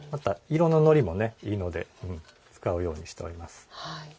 色ののりもいいので使うようにしています。